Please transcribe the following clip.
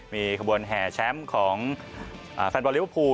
มีขบวลแห่แชมป์ของแฟนปลาริวภู